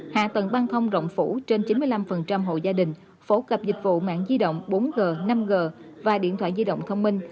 hạ tầng băng thông rộng phủ trên chín mươi năm hộ gia đình phổ cập dịch vụ mạng di động bốn g năm g và điện thoại di động thông minh